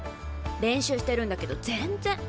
練習してるんだけど全然。